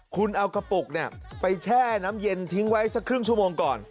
คุณเอากระปุกไปแช่น้ำเย็นทิ้งไว้สักครึ่งชั่วโมงก่อน